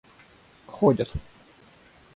ходят